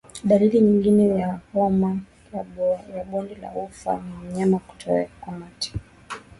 Dalili nyingine ya homa ya bonde la ufa ni mnyama kutokwa mate